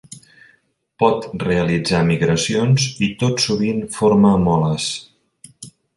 Pot realitzar migracions i tot sovint forma moles.